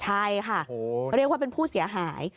ใช่ค่ะเรียกว่าเป็นผู้เสียหาย